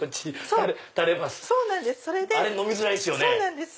あれ飲みづらいですよね。